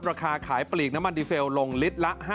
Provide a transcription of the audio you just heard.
ราคาขายปลีกน้ำมันดีเซลลงลิตรละ๕๐